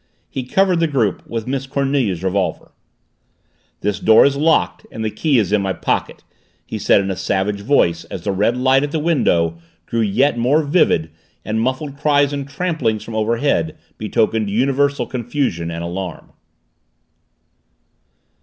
He covered the group with Miss Cornelia's revolver. "This door is locked and the key is in my pocket!" he said in a savage voice as the red light at the window grew yet more vivid and muffled cries and tramplings from overhead betokened universal confusion and alarm.